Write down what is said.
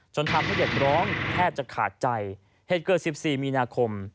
ทำให้เด็กร้องแทบจะขาดใจเหตุเกิดสิบสี่มีนาคม